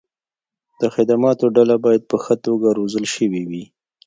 د خدماتو ډله باید په ښه توګه روزل شوې وي.